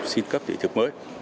xin cấp thị thực mới